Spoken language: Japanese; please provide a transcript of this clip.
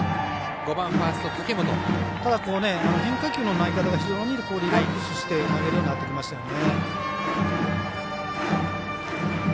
ただ、変化球の投げ方が非常にリラックスして投げるようになってきましたよね。